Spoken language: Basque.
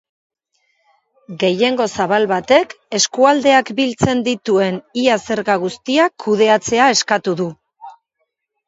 Gehiengo zabal batek eskualdeak biltzen dituen ia zerga guztiak kudeatzea eskatu du.